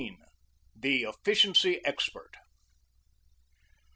THE EFFICIENCY EXPERT.